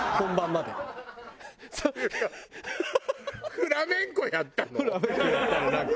フラメンコやったのなんか。